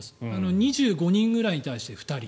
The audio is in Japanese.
２５人くらいに対して２人。